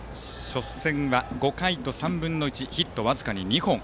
初戦は５回と３分の１を投げヒットは僅かに２本。